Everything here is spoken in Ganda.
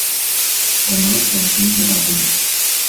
Omulwadde agenda awona.